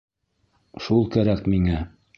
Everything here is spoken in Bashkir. Шул кәрәк миңә!